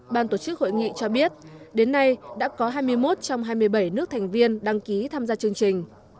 ban tổ chức hội nghị cho biết đến nay đã có hai mươi một trong hai mươi bảy nước thành viên đăng ký tham gia chương trình